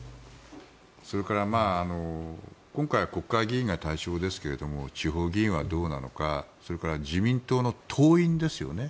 それから、今回は国会議員が対象ですけど地方議員はどうなのかそれから自民党の党員ですよね。